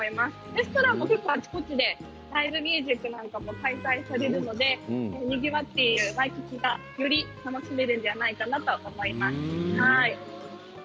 レストランもあちこちでナイトミュージックなども開催されるのでにぎわってより楽しめるんじゃないかなと思います。